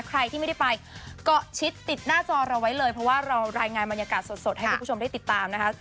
ใครที่ไม่ได้ไปเกาะชิดติดหน้าจอเราไว้เลยเพราะว่าเรารายงานบรรยากาศสดให้คุณผู้ชมได้ติดตามนะคะ